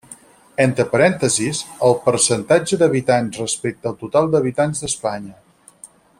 Entre parèntesis, el percentatge d'habitants respecte al total d'habitants d'Espanya.